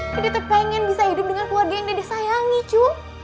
dedete pengen bisa hidup dengan keluarga yang dede sayangi cu